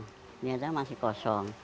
ternyata masih kosong